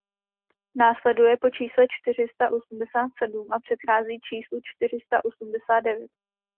Následuje po čísle čtyři sta osmdesát sedm a předchází číslu čtyři sta osmdesát devět.